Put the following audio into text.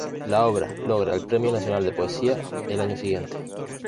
La obra logra el Premio Nacional de Poesía el año siguiente.